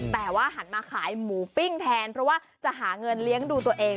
แต่ว่าหันมาขายหมูปิ้งแทนเพราะว่าจะหาเงินเลี้ยงดูตัวเอง